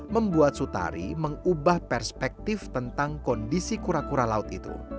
membuat sutari mengubah perspektif tentang kondisi kura kura laut itu